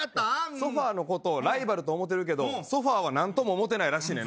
ソファのことをライバルと思ってるけど、ソファはなんとも思ってないらしいねんな。